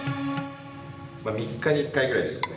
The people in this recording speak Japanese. ３日に１回ぐらいですかね。